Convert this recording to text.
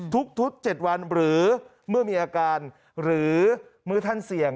ทุก๗วันหรือเมื่อมีอาการหรือมือท่านเสี่ยง